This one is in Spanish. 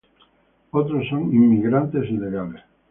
Otros son inmigrantes ilegales.